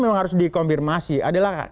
yang harus dikonfirmasi adalah